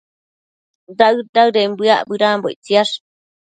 daëd-daëden bëac bedambo ictsiash